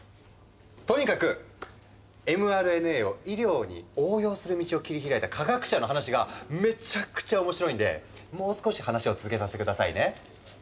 とにかくｍＲＮＡを医療に応用する道を切り開いた科学者の話がめちゃくちゃ面白いんでもう少し話を続けさせて下さいね。